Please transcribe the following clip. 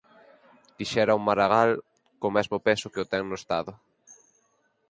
Quixera un Maragall co mesmo peso que ten no Estado.